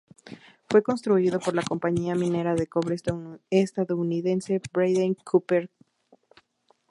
Fue construido por la compañía minera de cobre estadounidense Braden Copper Co.